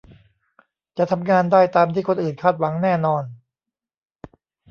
จะทำงานได้ตามที่คนอื่นคาดหวังแน่นอน